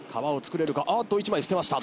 あっと１枚捨てました。